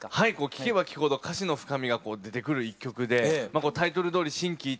聞けば聞くほど歌詞の深みが出てくる一曲でタイトルどおり心機一転